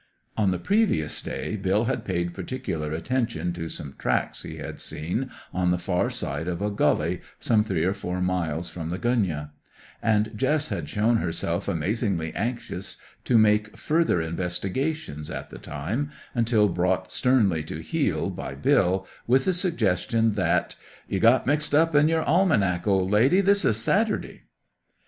On the previous day, Bill had paid particular attention to some tracks he had seen on the far side of a gully some three or four miles from the gunyah; and Jess had shown herself amazingly anxious to make further investigations at the time, until brought sternly to heel by Bill, with the suggestion that "You've got mixed up in your almanack, old lady. This is Saturday."